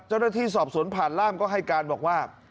เจ้าหน้าที่สอบสวนผ่านร่ามก็ให้การบอกว่า